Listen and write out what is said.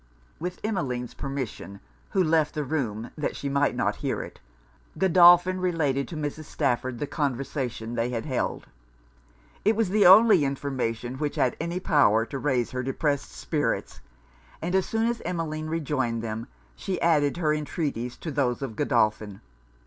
With Emmeline's permission (who left the room that she might not hear it) Godolphin related to Mrs. Stafford the conversation they had held. It was the only information which had any power to raise her depressed spirits; and as soon as Emmeline rejoined them, she added her entreaties to those of Godolphin.